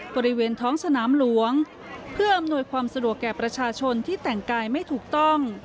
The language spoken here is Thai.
บริเวณท้องสนามหลวงเพื่ออำนวยความสะดวกแก่ประชาชนที่แต่งกายไม่ถูกต้อง